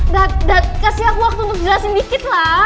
dad dad kasih aku waktu untuk jelasin dikit lah